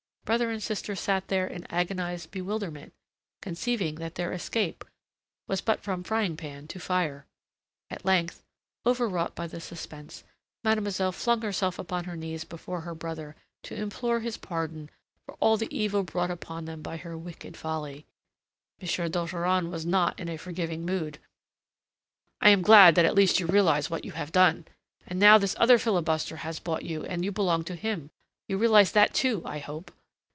Brother and sister sat there in agonized bewilderment, conceiving that their escape was but from frying pan to fire. At length, overwrought by the suspense, mademoiselle flung herself upon her knees before her brother to implore his pardon for all the evil brought upon them by her wicked folly. M. d'Ogeron was not in a forgiving mood. "I am glad that at least you realize what you have done. And now this other filibuster has bought you, and you belong to him. You realize that, too, I hope."